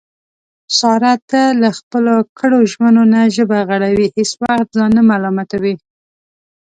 ساره تل له خپلو کړو ژمنو نه ژبه غړوي، هېڅ وخت ځان نه ملامتوي.